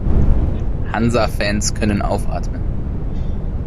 Hansa-Fans können aufatmen.